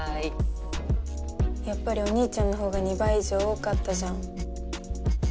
やっぱりお兄ちゃんのほうが２倍以上多かったじゃん。